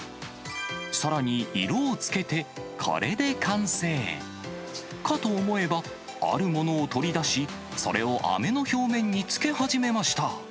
さらに色をつけて、これで完成、かと思えば、あるものを取り出し、それをあめの表面に付け始めました。